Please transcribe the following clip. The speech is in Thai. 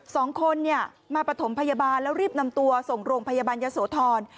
สองคนมาประถมพยาบาลแล้วรีบนำตัวส่งโรงพยาบาลยศทร